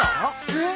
うん？